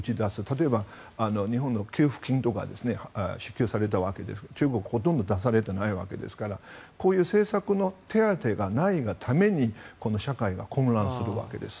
例えば、日本では給付金とかが支給されたわけですが中国、ほとんど出されてないわけですからこういう政策の手当てがないために社会が混乱するわけです。